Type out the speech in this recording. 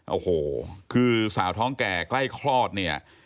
โอ้โหคือสาวท้องแก่ใกล้คลอดเนี่ย